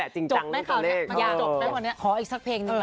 จริงจังเรียกตัวเลข